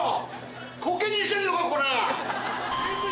コケにしてんのかコラ！？